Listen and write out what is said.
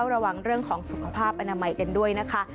ระวังเรื่องของสุขภาพอนามัยกันด้วยนะคะ